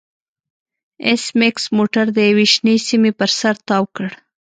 ایس میکس موټر د یوې شنې سیمې پر سر تاو کړ